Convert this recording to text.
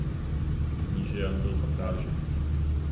Kníže Jan byl dvakrát ženat.